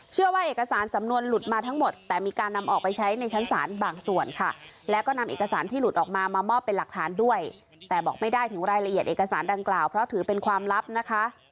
ว่าเอกสารสำนวนหลุดมาทั้งหมดแต่มีการนำออกไปใช้ในชั้นศาลบางส่วนค่ะแล้วก็นำเอกสารที่หลุดออกมามามอบเป็นหลักฐานด้วยแต่บอกไม่ได้ถึงรายละเอียดเอกสารดังกล่าวเพราะถือเป็นความลับนะคะ